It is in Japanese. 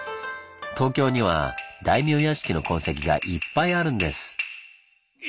東京には大名屋敷の痕跡がいっぱいあるんです！